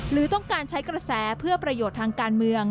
หรือต้องการใช้กระแสเพื่อประโยชน์ทางการเมือง